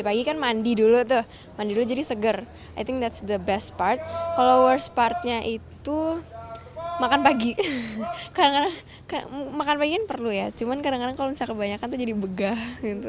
makan pagi ini perlu ya cuman kadang kadang kalau misalnya kebanyakan itu jadi begah gitu